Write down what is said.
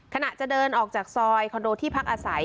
ขณะจะเดินออกจากซอยคอนโดที่พักอาศัย